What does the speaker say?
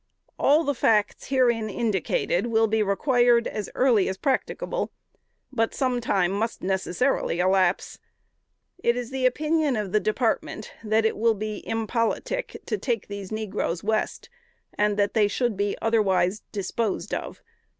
All the facts herein indicated will be required as early as practicable; but some time must necessarily elapse. It is the opinion of the Department, that it will be impolitic to take these negroes West, and that they should be otherwise disposed of.